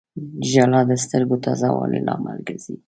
• ژړا د سترګو تازه والي لامل ګرځي.